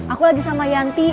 aku lagi sama yanti